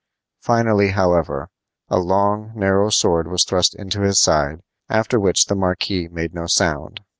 Finally, however, a long, narrow sword was thrust into his side, after which the marquis made no sound.